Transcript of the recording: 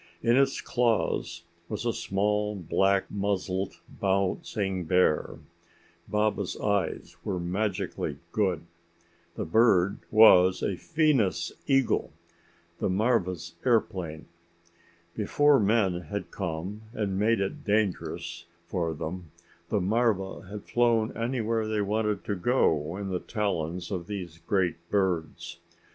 In its claws was a small black muzzled bouncing bear. Baba's eyes were magically good. The bird was a Venus eagle the marva's airplane. Before men had come and made it dangerous for them, the marva had flown anywhere they wanted to go in the talons of these great birds.